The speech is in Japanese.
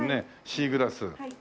シーグラス。